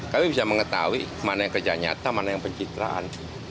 kami bisa mengetahui mana yang kerja nyata mana yang pencitraan